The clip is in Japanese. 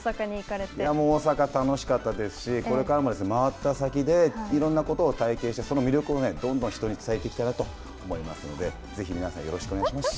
大阪楽しかったですし、これからも回った先で、いろんなことを体験して、その魅力をどんどん人に伝えていきたいと思いますので、ぜひ皆さん、よろしくお願いします。